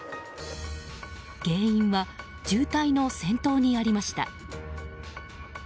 原因は渋滞の先頭にありました。